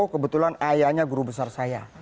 kebetulan ayahnya guru besar saya